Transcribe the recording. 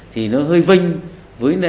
thì nó hơi vinh với